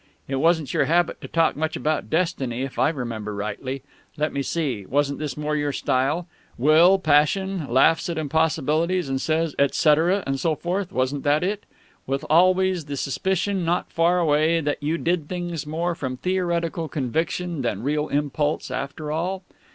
"It wasn't your habit to talk much about destiny, if I remember rightly. Let me see; wasn't this more your style 'will, passion, laughs at impossibilities and says,' et cetera and so forth? Wasn't that it? With always the suspicion not far away that you did things more from theoretical conviction than real impulse after all?"